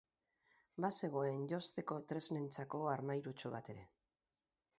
Bazegoen josteko tresnentzako armairutxo bat ere.